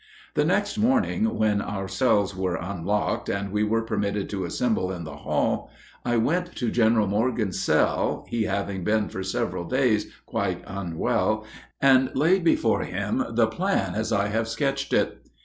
The next morning, when our cells were unlocked, and we were permitted to assemble in the hall, I went to General Morgan's cell, he having been for several days quite unwell, and laid before him the plan as I have sketched it.